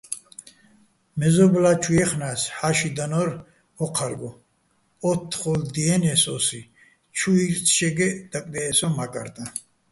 მეზობლა́ჩუ ჲეხნა́ს, ჰ̦ა́ში დანო́რ ოჴარგო, ო́თთხოლ დიენე́ს ო́სი, ჩუ ჲირწჩეგეჸ დაკდე́ჸე სოჼ მა́კარტაჼ.